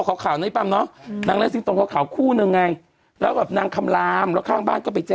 เป็นความเลยอ่ะสักคู่เดียวช่วงหน้ากลับมาค่ะ